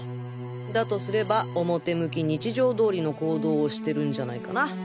だとすれば表向き日常通りの行動をしてるんじゃないかな？